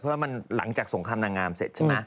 เพราะว่ามันหลังจากสงครามนางงามเสร็จใช่ไหม